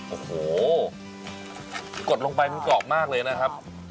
โอ้โหกดลงไปมันกรอบมากเลยนะครับ